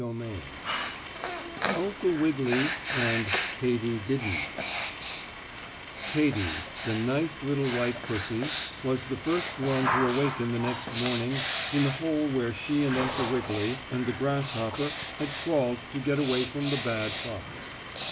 STORY XVI UNCLE WIGGILY AND KATY DIDN'T Katy, the nice little white pussy, was the first one to awaken the next morning in the hole where she and Uncle Wiggily and the grasshopper had crawled to get away from the bad fox.